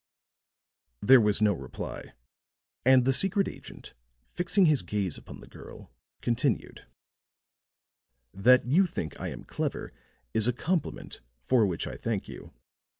There was no reply; and the secret agent fixing his gaze upon the girl, continued: "That you think I am clever is a compliment for which I thank you.